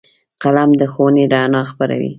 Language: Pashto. قلم د ښوونې رڼا خپروي